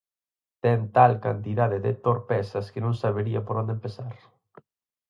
Ten tal cantidade de torpezas que non sabería por onde empezar.